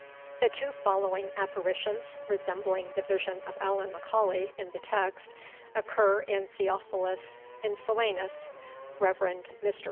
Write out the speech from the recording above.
The two following apparitions, resembling the vision of Allan M'Aulay in the text, occur in Theophilus Insulanus (Rev. Mr.